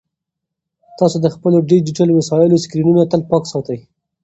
تاسو د خپلو ډیجیټل وسایلو سکرینونه تل پاک ساتئ.